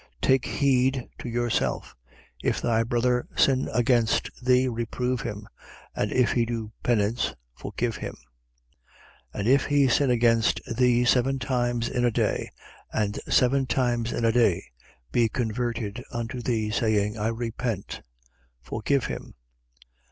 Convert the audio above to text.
17:3. Take heed to yourselves. If thy brother sin against thee, reprove him: and if he do penance, forgive him. 17:4. And if he sin against thee seven times in a day, and seven times in a day be converted unto thee, saying: I repent: forgive him.